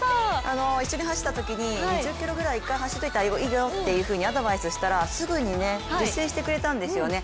一緒に走ったときに、２０ｋｍぐらいを１回走っておいたほうがいいよとアドバイスをしたら、すぐに実戦してくれたんですよね。